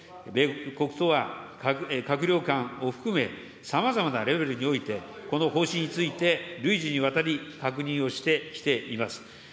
米国とは閣僚間を含め、さまざまなレベルにおいて、この方針について累次にわたり確認をしてきています。